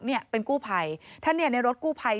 เนี่ยเป็นกู้ภัยท่านเนี่ยในรถกู้ภัย